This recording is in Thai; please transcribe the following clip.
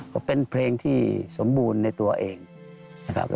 ก็เป็นเพลงที่สมบูรณ์ในตัวเองนะครับ